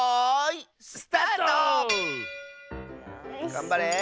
がんばれ。